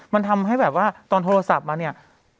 มันทำให้แบบว่าตอนโทรศัพท์มาเนี่ย